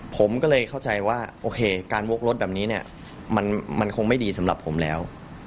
ผมก็เข้าใจว่าโอเคด้านโว๊ครถมันคงไม่ดีสำหรับผมแล้ว